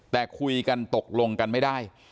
แต่คุยกันตกลงกันไม่ได้